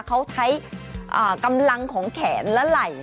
เขาใช้กำลังของแขนและไหล่